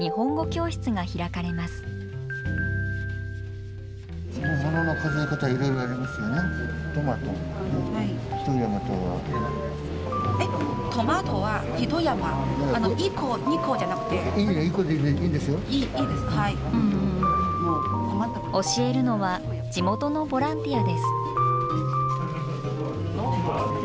教えるのは、地元のボランティアです。